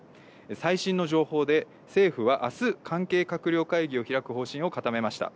最新の情報で、政府はあす関係閣僚会議を開く方針を固めました。